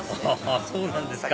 あそうなんですか！